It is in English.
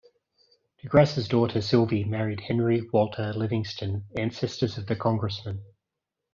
De Grasse's daughter, Sylvie, married Henry Walter Livingston, ancestors of the Congressman.